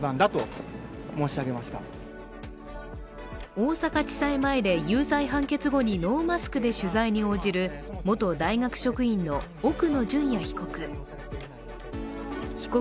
大阪地裁前で有罪判決後にノーマスクで取材に応じる元大学職員の、奥野淳也被告。